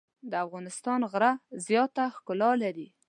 د افغانستان غره زیاته ښکلا لري.